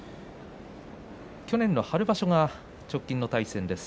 去年の春場所、直近の対戦でした。